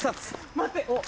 待って！